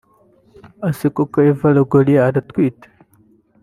Ese koko Eva Longoria aratwite